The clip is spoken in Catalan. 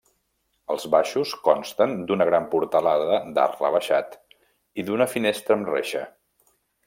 Els baixos consten d'una gran portalada d'arc rebaixat i d'una finestra amb reixa.